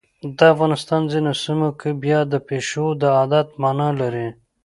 د افغانستان ځینو سیمو کې بیا د پیشو د عادت مانا لري.